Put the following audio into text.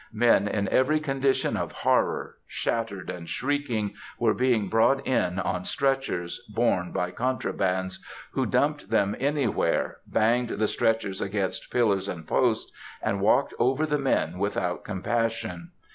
Men in every condition of horror, shattered and shrieking, were being brought in on stretchers, borne by contrabands, who dumped them anywhere, banged the stretchers against pillars and posts, and walked over the men without compassion.